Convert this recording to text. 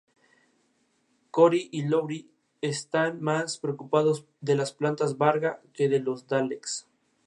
Thomson nació en Escocia pero se crio en Nueva Zelanda.